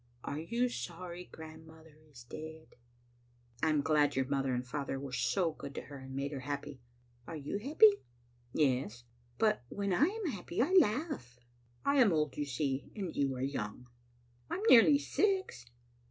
Are you sorry grandmother is dead?" " I am glad your mother and father were so good to her and made her so happy." " Are you happy?" "Yes." " But when I am happy I laugh." "I am old, you see, and you are young." " I am nearly six.